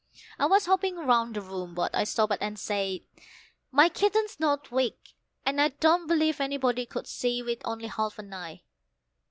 I was hopping round the room, but I stopped and said, "My kitten's not weak, and I don't believe anybody could see with only half an eye.